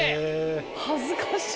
恥ずかしい。